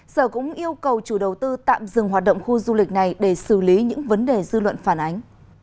sở cũng yêu cầu chủ đầu tư tạm dừng hoạt động khu du lịch này để xử lý những vấn đề dư luận phản ánh